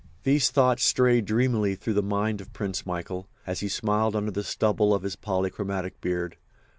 These thoughts strayed dreamily through the mind of Prince Michael, as he smiled under the stubble of his polychromatic beard.